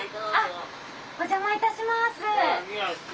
あっお邪魔いたします。